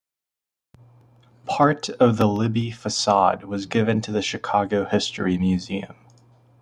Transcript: Part of the Libby facade was given to the Chicago History Museum.